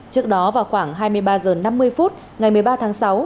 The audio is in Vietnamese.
trước đó vào khoảng hai mươi ba h năm mươi phút ngày một mươi ba tháng sáu